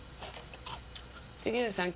杉浦さん